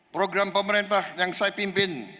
program pemerintah yang saya pimpin